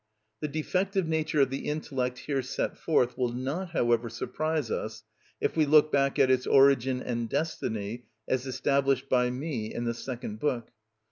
The defective nature of the intellect here set forth will not, however, surprise us if we look back at its origin and destiny as established by me in the second book.